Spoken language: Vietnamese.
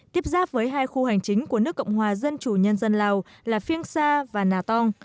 tiếp giáp với hai khu hành chính của nước cộng hòa dân chủ nhân dân lào là phiêng sa và nà tong